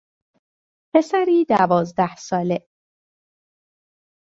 پسری دوازده ساله